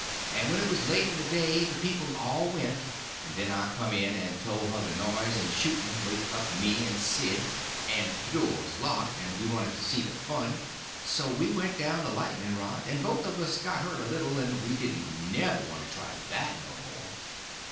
And when it was late in the day the people all went, and then I come in and told her the noise and shooting waked up me and "Sid," and the door was locked, and we wanted to see the fun, so we went down the lightning rod, and both of us got hurt a little, and we didn't never want to try that no more.